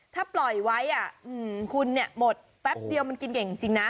ถ้าปล่อยไว้คุณหมดแป๊บเดียวมันกินเก่งจริงนะ